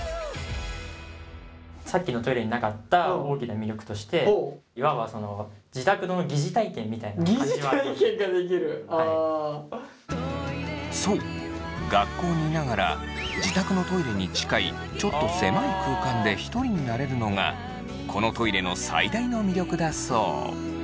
さっきのトイレになかった大きな魅力としていわばそのそう学校にいながら自宅のトイレに近いちょっと狭い空間でひとりになれるのがこのトイレの最大の魅力だそう。